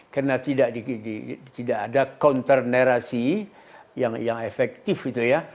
karena tidak ada kontenerasi yang efektif gitu ya